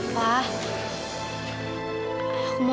dan kamu tuh